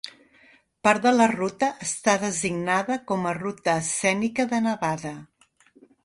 Part de la ruta està designada com a Ruta escènica de Nevada.